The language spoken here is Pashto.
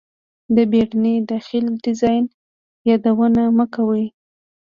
د بیړني داخلي ډیزاین یادونه مه کوئ